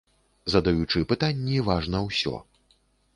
Задаючы пытанні важна ўсё.